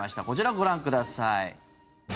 こちら、ご覧ください。